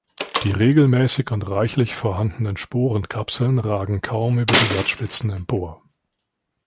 Die regelmäßig und reichlich vorhandenen Sporenkapseln ragen kaum über die Blattspitzen empor.